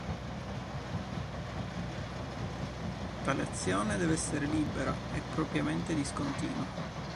Tale azione deve essere libera e propriamente discontinua.